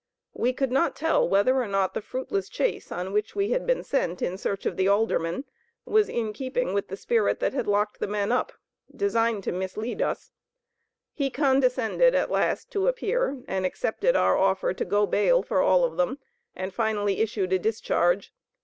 We could not tell whether or not the fruitless chase on which we had been sent in search of the alderman, was in keeping with the spirit that had locked the men up, designed to mislead us; he condescended at last to appear, and accepted our offer to go bail for all of them, and finally issued a discharge.